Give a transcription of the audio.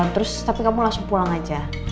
terus tapi kamu langsung pulang aja